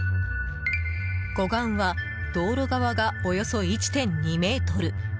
護岸は道路側がおよそ１．２ｍ。